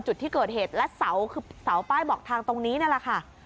จุดที่เกิดเหตุและเสาคือเสาป้ายบอกทางตรงนี้นั่นแหละค่ะ